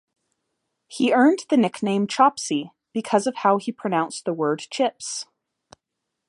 He earned the nickname 'Chopsy' because of how he pronounced the word 'chips'.